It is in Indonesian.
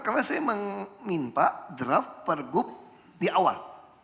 karena saya meminta draft pergub di awal